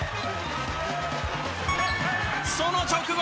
その直後。